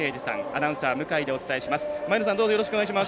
アナウンサー向井でお伝えします。